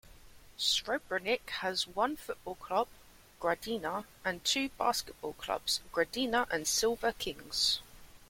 Srebrenik has one football club, Gradina, and two basketball clubs, Gradina and Silver Kings.